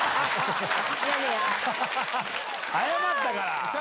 謝ったから。